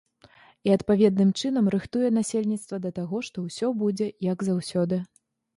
І адпаведным чынам рыхтуе насельніцтва да таго, што ўсё будзе, як заўсёды.